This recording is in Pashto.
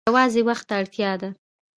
یوازې وخت ته اړتیا ده.